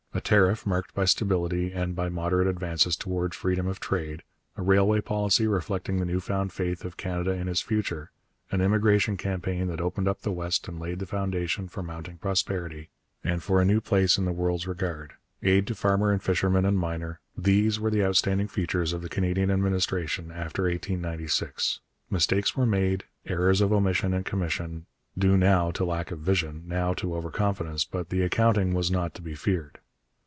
A tariff marked by stability and by moderate advances towards freedom of trade, a railway policy reflecting the new found faith of Canada in its future, an immigration campaign that opened up the West and laid the foundation for mounting prosperity, and for a new place in the world's regard, aid to farmer and fisherman and miner these were the outstanding features of the Canadian administration after 1896. Mistakes were made, errors of omission and commission, due now to lack of vision, now to over confidence, but the accounting was not to be feared.